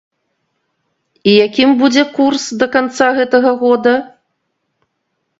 І якім будзе курс да канца гэтага года?